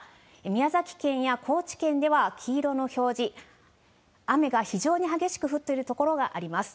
宮崎県や高知県では黄色の表示、雨が非常に激しく降っている所があります。